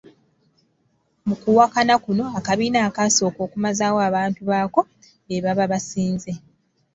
Mu kuwakana kuno, akabiina akasooka okumazaawo abantu baako be baba basinze.